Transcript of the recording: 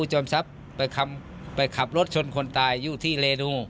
ให้รับผิดแทน